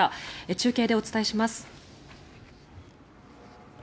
中継でお伝えします。